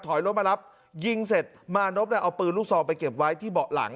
รถมารับยิงเสร็จมานพเนี่ยเอาปืนลูกซองไปเก็บไว้ที่เบาะหลัง